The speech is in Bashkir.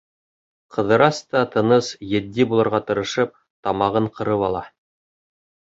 Ҡыҙырас та, тыныс, етди булырға тырышып, тамағын ҡырып ала.